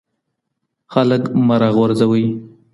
خلګ مه راغورځوئ.